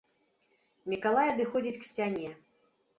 Мікалай адыходзіць к сцяне.